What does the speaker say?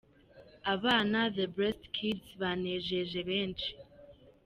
Abana The Blessed Kids banejeje benshi.